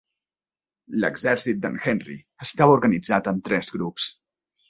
L'exèrcit d'en Henry estava organitzat en tres grups.